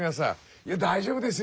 「いや大丈夫ですよ。